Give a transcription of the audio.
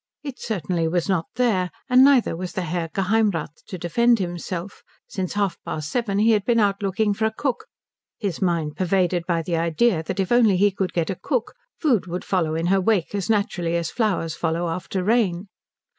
It certainly was not there, and neither was the Herr Geheimrath to defend himself; since half past seven he had been out looking for a cook, his mind pervaded by the idea that if only he could get a cook food would follow in her wake as naturally as flowers follow after rain.